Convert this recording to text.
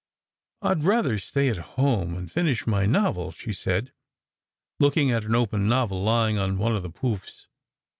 " I'd rather stay at home and finish my novel," she said, looking at an open novel lying on one of the 'pouffs.